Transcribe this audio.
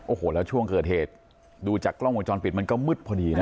โอ้โหแล้วช่วงเกิดเหตุดูจากกล้องวงจรปิดมันก็มืดพอดีนะ